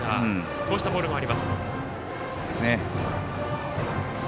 こうしたボールもあります。